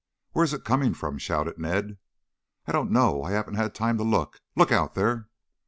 "Where is it coming from?" shouted Ned. "I don't know. I haven't had time to look. Look out there!"